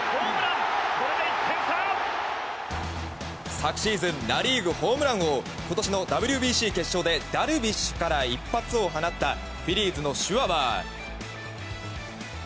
昨シーズンナ・リーグホームラン王今年のＷＢＣ決勝でダルビッシュから一発を放ったフィリーズのシュワバー。